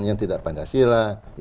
yang tidak pancasila